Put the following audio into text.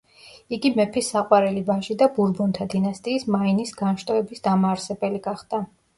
იგი მეფის საყვარელი ვაჟი და ბურბონთა დინასტიის მაინის განშტოების დამაარსებელი გახდა.